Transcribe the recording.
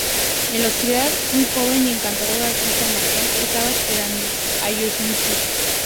En la oscuridad, un joven y encantador artista marcial estaba esperando a Yoshimitsu.